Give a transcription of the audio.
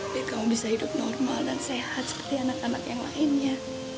biar kamu bisa hidup normal dan sehat seperti anak anak yang lainnya